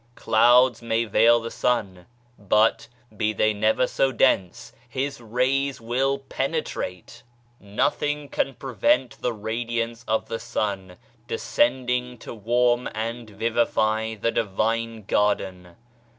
Clouds may veil the sun, but, be they never so dense, his rays will penetrate 1 Nothing can prevent the radi 96 ON CALUMNY ance of the sun descending to warm and vivify the Divine Garden.